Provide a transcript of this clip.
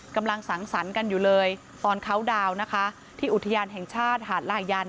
กำลังสังสรรค์กันอยู่เลยตอนเขาดาวน์นะคะที่อุทยานแห่งชาติหาดลายัน